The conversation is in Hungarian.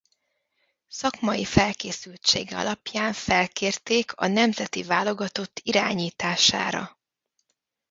Szakmai felkészültsége alapján felkérték a nemzeti válogatott irányítására.